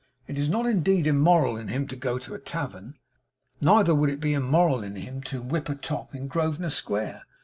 It is not indeed immoral in him to go to a tavern; neither would it be immoral in him to whip a top in Grosvenor square.